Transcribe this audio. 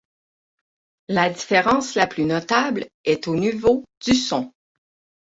La différence la plus notable est au niveau du son.